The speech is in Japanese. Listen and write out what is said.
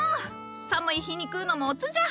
寒い日に食うのもおつじゃ。